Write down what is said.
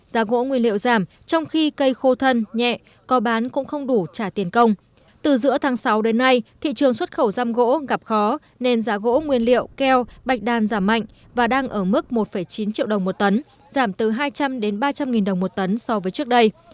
giá gỗ nguyên liệu giảm trong khi cây khô thân nhẹ có bán cũng không đủ trả tiền công từ giữa tháng sáu đến nay thị trường xuất khẩu răm gỗ gặp khó nên giá gỗ nguyên liệu keo bạch đàn giảm mạnh và đang ở mức một chín triệu đồng một tấn giảm từ hai trăm linh đến ba trăm linh nghìn đồng một tấn so với trước đây